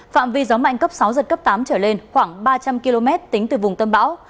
phạm vi gió mạnh cấp sáu giật cấp tám trở lên khoảng ba trăm linh km tính từ vùng tâm bão